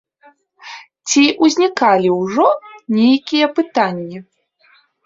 Ці ўзнікалі ўжо нейкія пытанні?